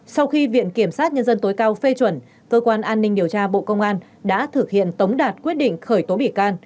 sau khi viện kiểm sát nhân dân tối cao phê chuẩn cơ quan an ninh điều tra bộ công an đã thực hiện tống đạt quyết định khởi tố bị can